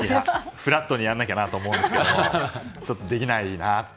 フラットにやらなきゃなと思うんですがちょっと、できないなって。